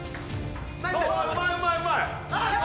うまいうまいうまい。